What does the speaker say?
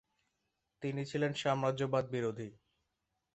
তিনি ছিলেন সাম্রাজ্যবাদ বিরোধী।